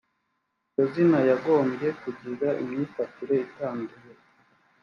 iryo zina yagombye kugira imyifatire itanduye